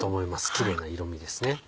キレイな色みですね。